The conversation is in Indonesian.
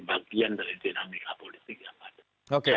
bagian dari dinamika politik yang ada